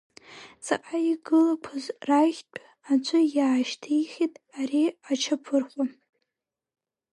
Ҵаҟа игылақәаз рахьтә аӡәы иаашьҭихит ари аҷапырхәа.